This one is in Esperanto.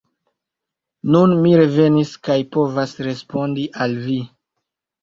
Nun mi revenis kaj povas respondi al vi.